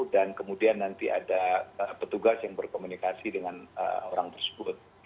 dan kemudian nanti ada petugas yang berkomunikasi dengan orang tersebut